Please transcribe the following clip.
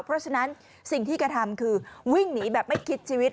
เพราะฉะนั้นสิ่งที่กระทำคือวิ่งหนีแบบไม่คิดชีวิต